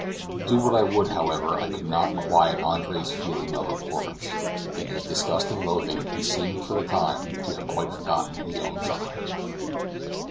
Do what I would, however, I could not quiet Andre's feeling of abhorrence; in his disgust and loathing he seemed for the time to have quite forgotten his own sufferings.